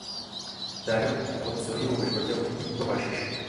د امیر خودسریو مشروطیه غوښتونکي وپاشل.